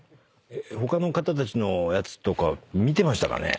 他の方たちのやつとか見てましたかね？